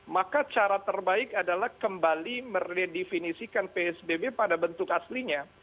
maka cara terbaik adalah kembali meredefinisikan psbb pada bentuk aslinya